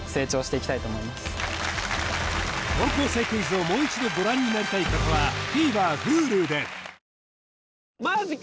『高校生クイズ』をもう一度ご覧になりたい方はアロマのエッセンス？